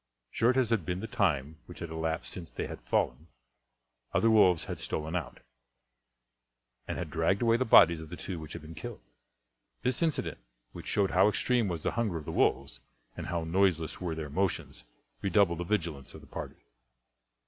Short as had been the time which had elapsed since they had fallen, other wolves had stolen out, and had dragged away the bodies of the two which had been killed. This incident, which showed how extreme was the hunger of the wolves, and how noiseless were their motions, redoubled the vigilance of the party.